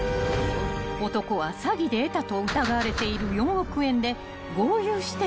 ［男は詐欺で得たと疑われている４億円で豪遊しているのか］